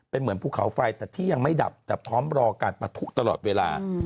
เป็นเหมือนภูเขาไฟแต่ที่ยังไม่ดับแต่พร้อมรอการปะทุตลอดเวลา